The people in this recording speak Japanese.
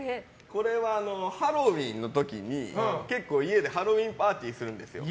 これはハロウィーンの時に結構家でハロウィーンパーティーするんです。